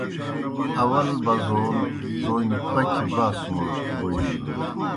اول بزون تومیْ پکھیْ باسُمَڑ بوجنَن۔